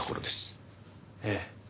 ええ。